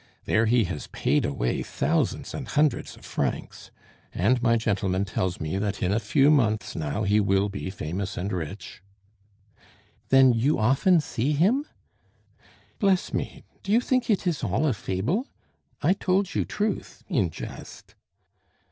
There he has paid away thousands and hundreds of francs. And my gentleman tells me that in a few months now he will be famous and rich " "Then you often see him?" "Bless me, do you think it is all a fable? I told you truth in jest."